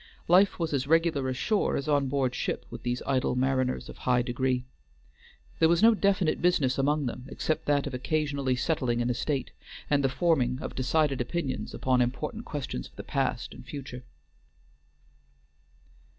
Life was as regular ashore as on board ship with these idle mariners of high degree. There was no definite business among them except that of occasionally settling an estate, and the forming of decided opinions upon important questions of the past and future.